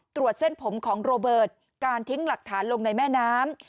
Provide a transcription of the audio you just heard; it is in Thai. เส้นผมของโรเบิร์ตการทิ้งหลักฐานลงในแม่น้ำ